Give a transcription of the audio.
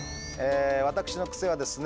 私のクセはですね